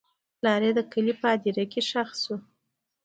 پلار یې د کلي په هدیره کې ښخ شو.